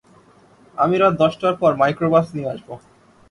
আমি রাত দশটার পর মাইক্রোবাস নিয়ে আসব।